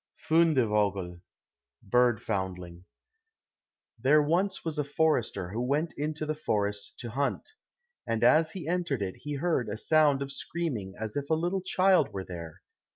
51 Fundevogel (Bird foundling) There was once a forester who went into the forest to hunt, and as he entered it he heard a sound of screaming as if a little child were there.